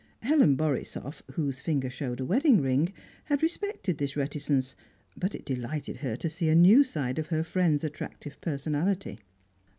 Helen Borisoff, whose finger showed a wedding ring, had respected this reticence, but it delighted her to see a new side of her friend's attractive personality.